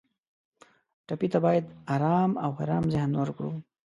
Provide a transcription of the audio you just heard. ټپي ته باید آرام او ارام ذهن ورکړو.